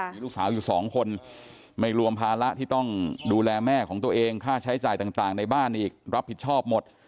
มีลูกสาวอยู่สองคนไม่รวมภาระที่ต้องดูแลแม่ของตัวเองค่าใช้จ่ายต่างในบ้านอีกรับผิดชอบหมด